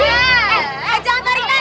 eh jangan tarik tari